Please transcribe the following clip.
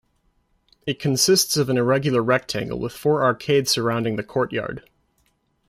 It consists of an irregular rectangle with four arcades surrounding the courtyard.